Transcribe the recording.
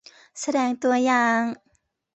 แสดงตัวอย่าง